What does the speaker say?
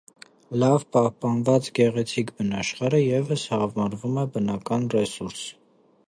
Լավ պահպանված, գեղեցիկ բնաշխարհը ևս համարվում է բնական ռեսուրս։